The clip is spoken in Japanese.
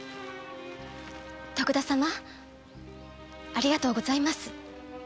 徳田様ありがとうございます。